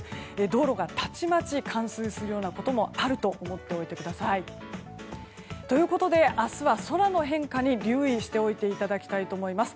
道路がたちまち冠水するようなこともあると思っておいてください。ということで明日は空の変化に留意してもらいたいと思います。